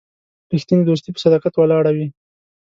رښتینی دوستي په صداقت ولاړه وي.